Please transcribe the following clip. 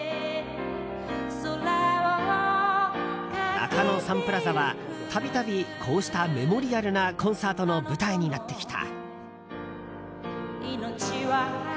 中野サンプラザは、度々こうしたメモリアルなコンサートの舞台になってきた。